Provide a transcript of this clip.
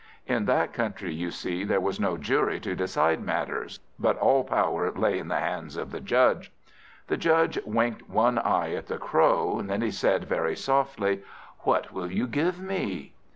In that country, you see, there was no jury to decide matters, but all power lay in the hands of the Judge. The Judge winked one eye at the Crow. Then he said, very softly, "~What will you give me?